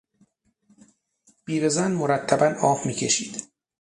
بیوهزن مرتبا آه میکشید.